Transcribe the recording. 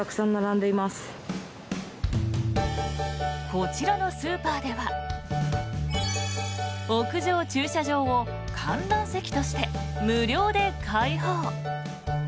こちらのスーパーでは屋上駐車場を観覧席として無料で開放。